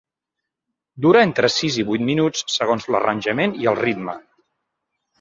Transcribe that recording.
Dura entre sis i vuit minuts, segons l'arranjament i el ritme.